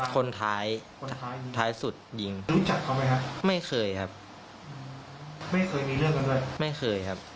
คนท้ายท้ายสุดยิงไม่เคยครับไม่เคยมีเรื่องกันไม่เคยครับ